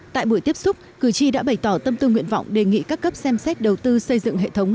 tại buổi tiếp xúc cử tri đã bày tỏ tâm tư nguyện vọng đề nghị các cấp xem xét đầu tư xây dựng hệ thống